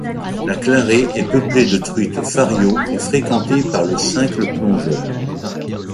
La Clarée est peuplée de truites farios et fréquentée par le cincle plongeur.